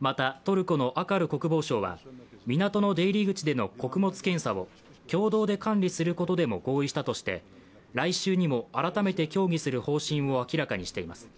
またトルコのアカル国防相は港の出入り口での穀物検査を共同で管理することでも合意したとして、来週にも改めて協議する方針を明らかにしています。